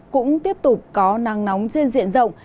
cũng tiếp tục có nắng nóng trên diện rộng